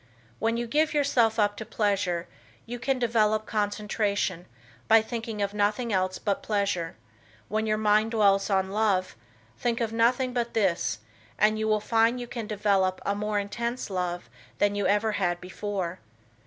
When you give yourself up to pleasure you can develop concentration by thinking of nothing else but pleasure; when your mind dwells on love, think of nothing but this and you will find you can develop a more intense love than you ever had before.